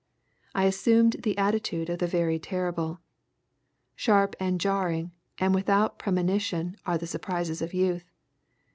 I assumed the attitude of the very terrible. Sharp and jarring and without premonition are the surprises of youth.